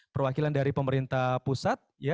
perwakilan dari pemerintah pusat